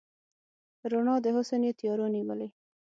رڼا د حسن یې تیارو نیولې